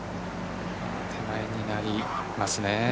手前になりますね。